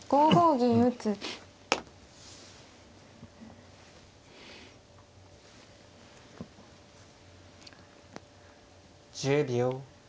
１０秒。